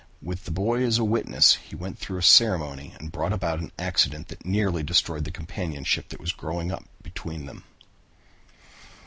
With the boy as a witness, he went through a ceremony and brought about an accident that nearly destroyed the companionship that was growing up between them.